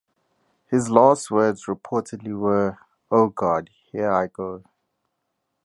His last words reportedly were, Oh God, here I go.